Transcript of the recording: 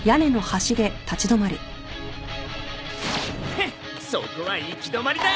へっそこは行き止まりだ。